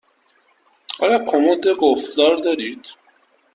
آیا کمد قفل دار دارید؟